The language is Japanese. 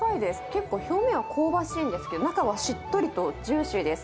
結構、表面は香ばしいんですけど、中はしっとりとジューシーです。